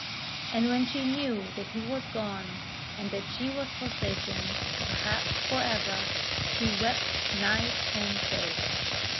And when she knew that he was gone, and that she was forsaken, perhaps for ever, she wept night and day.